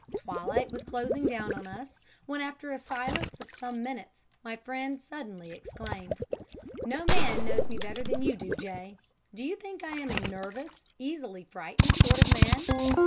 Twilight was closing down on us, when, after a silence of some minutes, my friend suddenly exclaimed: "'No man knows me better than you do, J. Do you think I am a nervous, easily frightened sort of man?'